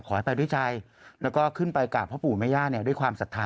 ไปด้วยใจแล้วก็ขึ้นไปกราบพ่อปู่แม่ย่าเนี่ยด้วยความศรัทธา